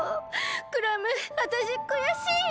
クラムわたしくやしいよ。